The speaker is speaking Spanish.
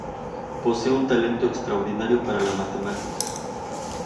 Posee un talento extraordinario para la matemática.